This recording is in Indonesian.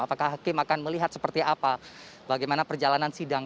apakah hakim akan melihat seperti apa bagaimana perjalanan sidang